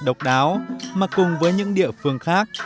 độc đáo mà cùng với những địa phương khác